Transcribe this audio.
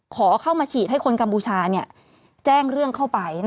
ขอเข้ามาฉีดให้คนกัมพูชาแจ้งเรื่องเข้าไป